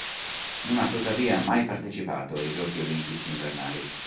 Non ha tuttavia mai partecipato ai Giochi olimpici invernali.